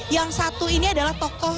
yang satu ini adalah tokoh